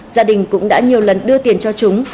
gia đình cũng đã nhiều lần đưa tiền cho chúng